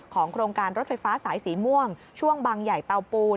โครงการรถไฟฟ้าสายสีม่วงช่วงบางใหญ่เตาปูน